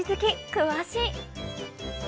詳しい！